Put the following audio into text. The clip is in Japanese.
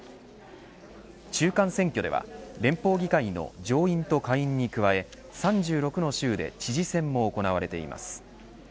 中間選挙では、連邦議会の上院と下院に加え３６の州で知事選も行われています